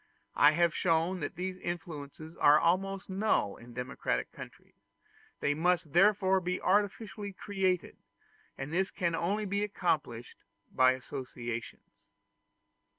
I have shown that these influences are almost null in democratic countries; they must therefore be artificially created, and this can only be accomplished by associations.